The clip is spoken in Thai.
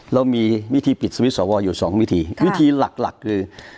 เรามีวิธีปิดสวิสสวอยู่๒วิธีวิธีหลักคือ